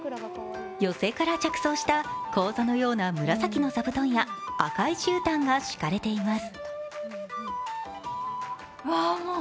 寄席から着想した高座のような紫の座布団や赤いじゅうたんが敷かれています。